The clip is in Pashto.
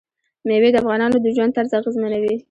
مېوې د افغانانو د ژوند طرز اغېزمنوي.